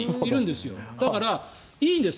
だからいいんです